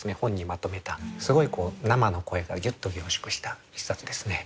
まとめたすごい生の声がギュッと凝縮した一冊ですね。